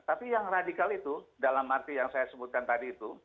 tapi yang radikal itu dalam arti yang saya sebutkan tadi itu